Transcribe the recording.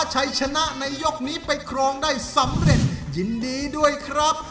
ชัยชนะในยกนี้ไปครองได้สำเร็จยินดีด้วยครับ